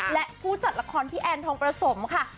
และผู้จัดละครพี่แอนทองประสมค่ะ